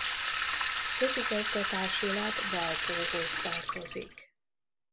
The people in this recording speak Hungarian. Közigazgatásilag Valpóhoz tartozik.